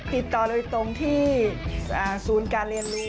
ติดต่อโดยตรงที่ศูนย์การเรียนรู้